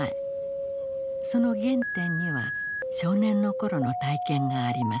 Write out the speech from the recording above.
その原点には少年の頃の体験があります。